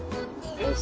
よし！